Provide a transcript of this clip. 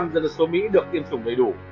sáu mươi hai dân số mỹ được tiêm chủng đầy đủ